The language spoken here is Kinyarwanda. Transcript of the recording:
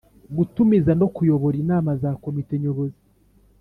Gutumiza no Kuyobora inama za Komite Nyobozi